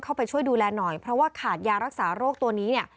เข้าไปช่วยดูแลหน่อยเพราะว่าขาดยารักษาโรคตัวนี้เนี่ย